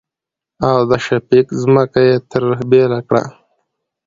او د شفيق ځمکه يې ترې بيله کړه.